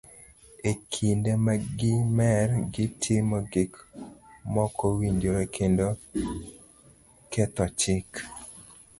E kinde ma gi mer, gitimo gik mokowinjore kendo ketho chik.